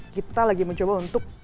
kita lagi mencoba untuk